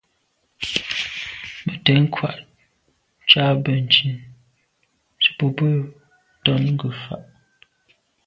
Mə́ cwɛ̌d kwâ’ ncâ bə̀ncìn zə̄ bù bə̂ ntɔ́nə́ ngə́ fâ’.